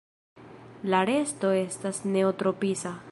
La resto estas neotropisa.